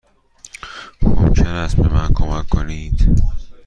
ممکن است به من کمک کنید؟